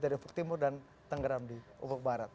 dari buktimu dan tenggeram di ujung barat